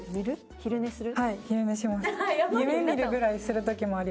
昼寝する？